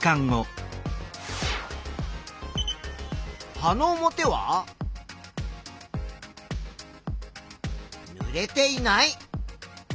葉の表はぬれていない。